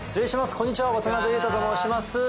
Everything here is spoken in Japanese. こんにちは渡辺裕太と申します。